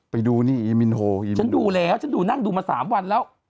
ไปดูนี่อีมินโฮฉันดูแล้วฉันดูนั่งดูมา๓วันแล้ว